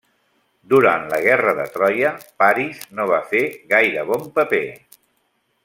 Durant la guerra de Troia, Paris no va fer gaire bon paper.